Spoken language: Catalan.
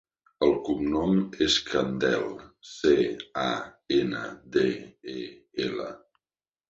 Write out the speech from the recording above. El cognom és Candel: ce, a, ena, de, e, ela.